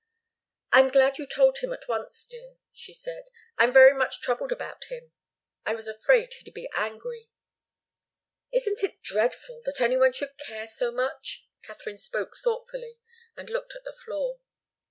"I'm glad you told him at once, dear," she said. "I'm very much troubled about him. I was afraid he'd be angry." "Isn't it dreadful that any one should care so much?" Katharine spoke thoughtfully, and looked at the floor.